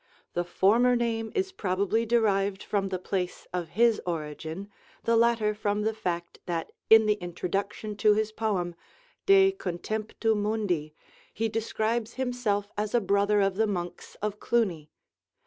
The former name is probably derived from the place of his origin, the latter from the fact that in the introduction to his poem 'De Contemptu Mundi' he describes himself as a brother of the monks of Cluny.